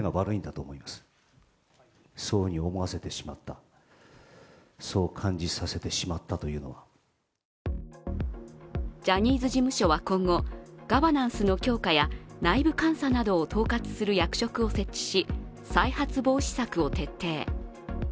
背景の一つとして挙げられたメディアの沈黙についてはジャニーズ事務所は今後、ガバナンスの強化や内部監査などを統括する役職を設置し再発防止策を徹底。